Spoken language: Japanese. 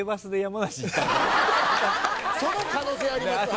その可能性ありますわ。